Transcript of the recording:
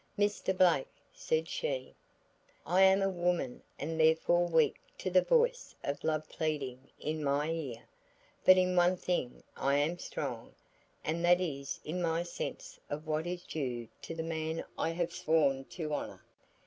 "Mr. Blake," said she, "I am a woman and therefore weak to the voice of love pleading in my ear. But in one thing I am strong, and that is in my sense of what is due to the man I have sworn to honor.